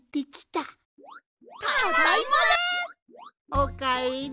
おかえり。